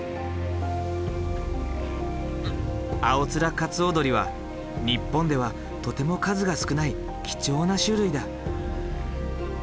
アオツラカツオドリは日本ではとても数が少ない貴重な種類だ。